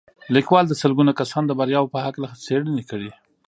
لیکوال د سلګونه کسانو د بریاوو په هکله څېړنې کړي